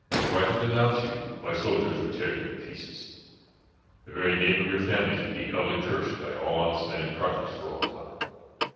Were I to denounce you, my soldiers would tear you in pieces. The very name of your families would be held accursed by all honest men in Carthage for all time.